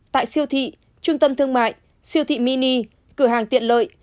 tại siêu thị trung tâm thương mại siêu thị mini cửa hàng tiện lợi